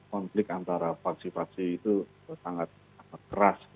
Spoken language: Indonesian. konflik antara paksi paksi itu sangat keras